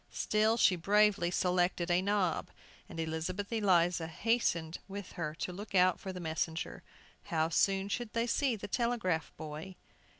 Still she bravely selected a knob, and Elizabeth Eliza hastened with her to look out for the messenger. How soon should they see the telegraph boy?